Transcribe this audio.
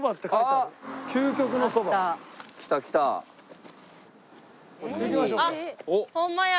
あっホンマや。